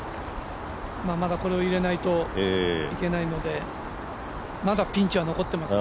まだこれを入れないといけないのでまだピンチは残っています。